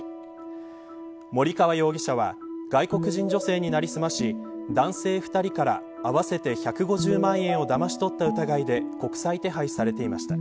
森川容疑者は外国人女性になりすまし男性２人から合わせて１５０万円をだまし取った疑いで国際手配されていました。